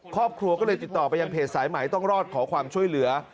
ครอบครัวก็เลยติดต่อไปยังเพจสายใหม่ต้องรอดขอความช่วยเหลือ